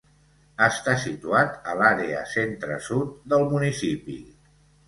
Està situat a l'àrea centre-sud del municipi.